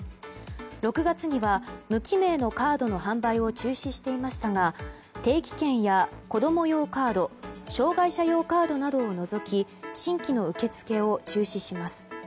６月には無記名のカードの販売を中止していましたが定期券や子供用カード障害者用カードなどを除き新規の受け付けを中止します。